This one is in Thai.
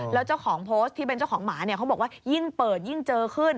แล้วเจ้าของโพสต์ที่เป็นเจ้าของหมาเนี่ยเขาบอกว่ายิ่งเปิดยิ่งเจอขึ้น